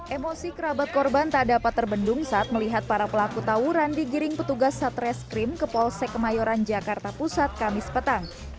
emosi kerabat korban tak dapat terbendung saat melihat para pelaku tawuran digiring petugas satreskrim ke polsek kemayoran jakarta pusat kamis petang